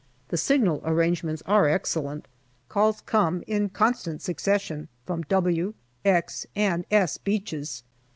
The signal arrangements are excellent. Calls come in constant succession from " W," " X," and " S " Beaches.